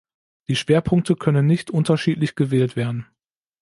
Die Schwerpunkte können nicht unterschiedlich gewählt werden.